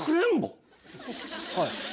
はい。